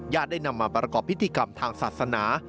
ได้นำมาประกอบพิธีกรรมทางศาสนา